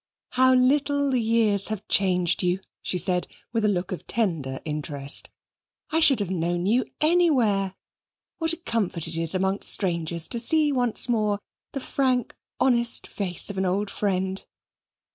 "How little years have changed you," she said with a look of tender interest. "I should have known you anywhere. What a comfort it is amongst strangers to see once more the frank honest face of an old friend!"